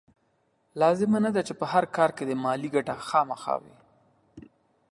لازمه نه ده چې په هر کار کې دې مالي ګټه خامخا وي.